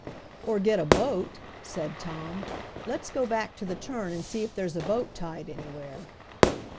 "Or get a boat," said Tom. "Let's go back to the turn and see if there's a boat tied anywhere."